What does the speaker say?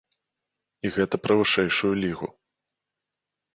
І гэта пра вышэйшую лігу.